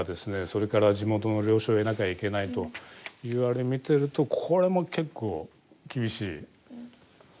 それから地元の了承を得なきゃいけないというあれ見てるとこれも結構厳しい状況かなと個人的には思いますね。